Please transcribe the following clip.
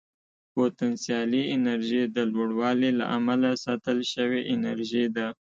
پوتنسیالي انرژي د لوړوالي له امله ساتل شوې انرژي ده.